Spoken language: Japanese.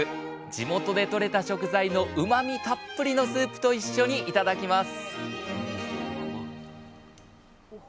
地元でとれた食材のうまみたっぷりのスープと一緒に頂きます！